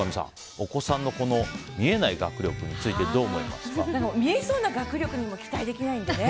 お子さんの見えない学力について見えそうな学力にも期待できないのでね。